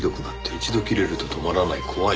「一度キレると止まらない怖い」。